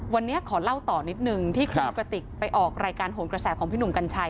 วันนี้ขอเล่าต่อนิดนึงที่คุณกระติกไปออกรายการโหนกระแสของพี่หนุ่มกัญชัย